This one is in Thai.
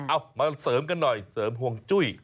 เอามาเสริมกันหน่อยเสริมห่วงจุ้ย